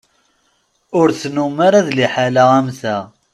Ur tennum ara d liḥala am ta.